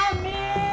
ya ya kenapa